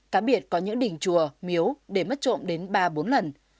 cá biệt có những đình chùa miếu để mất trộm đến ba bốn lần